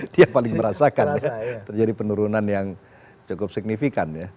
dia paling merasakan terjadi penurunan yang cukup signifikan